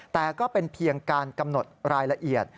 แต่ก็เป็นเพียงการกำหนดรายละเอียด